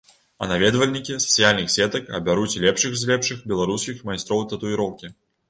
А наведвальнікі сацыяльных сетак абяруць лепшых з лепшых беларускіх майстроў татуіроўкі.